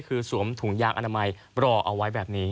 คือสวมถุงยางอนามัยรอเอาไว้แบบนี้